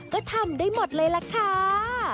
ก็ทำได้หมดเลยเหล่าค้า